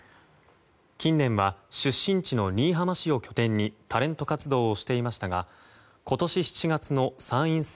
近年は出身地の新居浜市を拠点にタレント活動をしていましたが今年７月の参院選